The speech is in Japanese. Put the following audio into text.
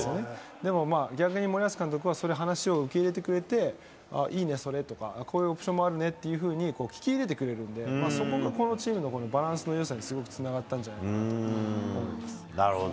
でも逆に森保監督は、それ、話を受け入れてくれて、あっ、いいね、それとか、こういうオプションもあるねっていうふうに聞き入れてくれるんで、そこがこのチームのバランスのよさにすごいつながったんじゃないなるほど。